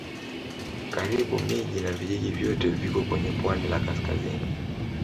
Karibu miji na vijiji vyote viko kwenye pwani la kaskazini.